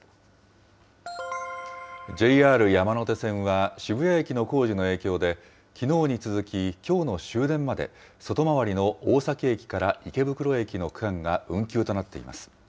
ＪＲ山手線は渋谷駅の工事の影響で、きのうに続ききょうの終電まで、外回りの大崎駅から池袋駅の区間が運休となっています。